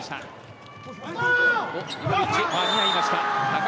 間に合いました。